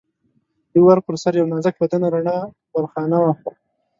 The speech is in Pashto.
د ور پر سر یوه نازک بدنه رڼه بالاخانه وه.